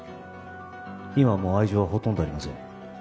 今はもう愛情はほとんどありません。